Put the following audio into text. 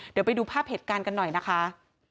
เดี๋ยวไปดูภาพเหตุการณ์กันหน่อยนะคะ